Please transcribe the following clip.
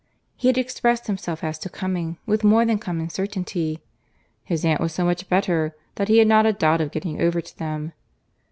He had expressed himself as to coming, with more than common certainty. "His aunt was so much better, that he had not a doubt of getting over to them."